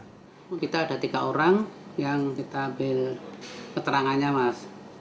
kita ada tiga orang yang kita ambil keterangannya mas